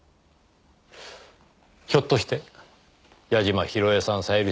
ひょっとして矢嶋広江さん小百合さん